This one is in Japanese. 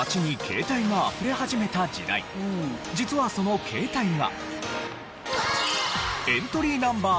街に実はその携帯が。